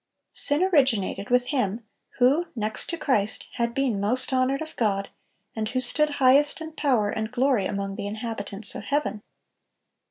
Sin originated with him who, next to Christ, had been most honored of God, and who stood highest in power and glory among the inhabitants of heaven.